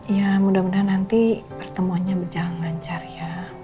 ya mudah mudahan nanti pertemuannya berjalan lancar ya